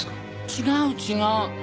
違う違う。